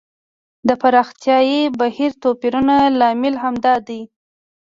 د پراختیايي بهیر توپیرونه لامل همدا دی.